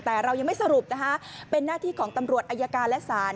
แต่เรายังไม่สรุปนะคะเป็นหน้าที่ของตำรวจอายการและศาล